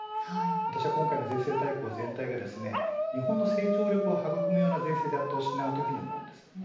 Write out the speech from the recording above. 私は今回の税制大綱全体が日本の成長力を育むような税制であってほしいと思います。